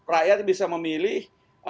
rakyat bisa memilih